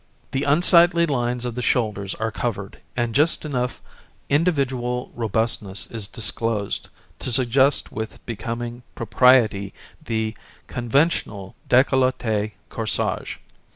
The unsightly lines of the shoulders are covered, and just enough individual robustness is disclosed to suggest with becoming propriety the conventional d├®collet├® corsage.